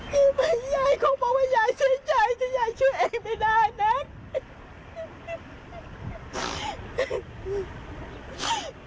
ก็ไม่ยายเขาบอกว่ายายช่วยใจแต่ยายช่วยเองไม่ได้แน็ก